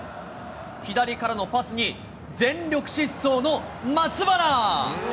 左からのパスに全力疾走の松原。